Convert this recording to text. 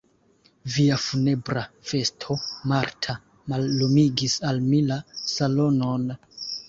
Via funebra vesto, Marta, mallumigis al mi la salonon.